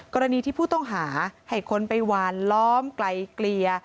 กรณีที่ผู้ต้องหาให้คนไปหวานล้อมไกลเกลี่ย